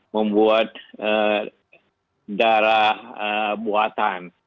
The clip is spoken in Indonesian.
membuat darah buatan